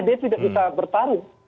dia tidak bisa bertarung